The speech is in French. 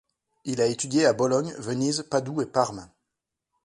Il a étudié à Bologne, Venise, Padoue et Parme.